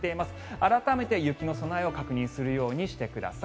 改めて雪の備えを確認するようにしてください。